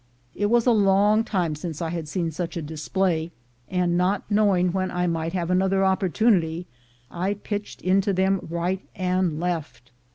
It was a long time since I had seen such a display, and not knowing when I might have another opportunity, I pitched into them right and left.